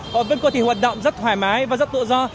họ vẫn có thể hoạt động rất thoải mái và rất tự do